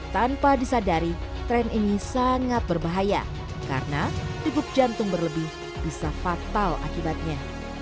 tanpa disadari tren ini sangat berbahaya karena degup jantung berlebih bisa fatal akibatnya